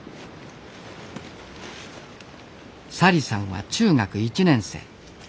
小里さんは中学１年生。